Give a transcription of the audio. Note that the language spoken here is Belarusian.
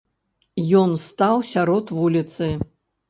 Ён стаў сярод вуліцы.